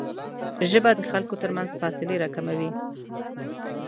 ژبه د خلکو ترمنځ فاصلې راکموي